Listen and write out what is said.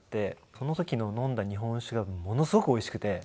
その時の飲んだ日本酒がものすごくおいしくて。